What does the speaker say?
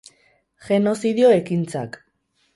Genozidio ekintzak.